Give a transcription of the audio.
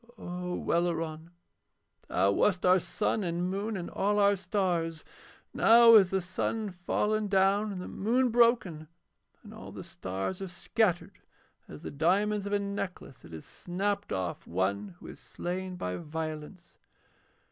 O Welleran, thou wast our sun and moon and all our stars. Now is the sun fallen down and the moon broken, and all the stars are scattered as the diamonds of a necklace that is snapped off one who is slain by violence.'